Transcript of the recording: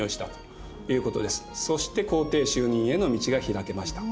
そして皇帝就任への道が開けました。